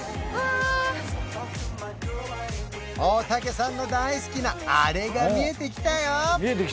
大竹さんの大好きなあれが見えてきたよ！